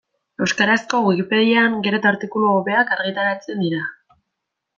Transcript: Euskarazko Wikipedian gero eta artikulu hobeak argitaratzen dira.